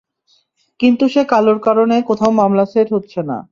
কিন্তু সে কালোর কারনে, কোথাও মামলা সেট হচ্ছে না।